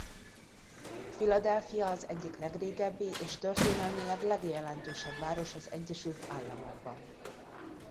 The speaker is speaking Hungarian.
Philadelphia az egyik legrégebbi és történelmileg legjelentősebb város az Egyesült Államokban.